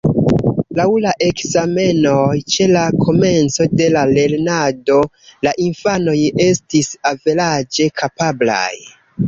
Laŭ la ekzamenoj ĉe la komenco de la lernado la infanoj estis averaĝe kapablaj.